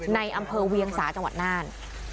ในอำเภอเวียงสาจังหวัดน่าน